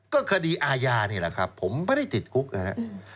ก็คดีอาญานี่แหละครับผมไม่ได้ติดคุกนะครับ